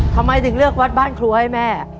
ทำไมถึงเลือกวัดบ้านครัวให้แม่